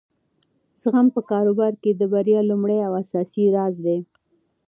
زغم په کاروبار کې د بریا لومړی او اساسي راز دی.